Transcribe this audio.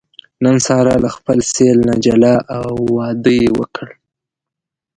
نن ساره له خپل سېل نه جلا او واده یې وکړ.